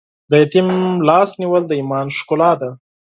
د یتیم لاس نیول د ایمان ښکلا ده.